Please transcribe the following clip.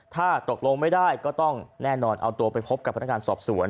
ถ้าตกลงไม่ได้ก็ต้องแน่นอนเอาตัวไปพบกับพนักงานสอบสวน